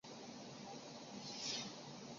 科斯的朗提亚克。